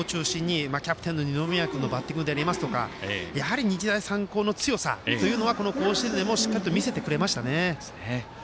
安田訓を中心にキャプテンの二宮君のバッティングであったりやはり日大三高の強さというのは甲子園でもしっかりと見せてくれましたね。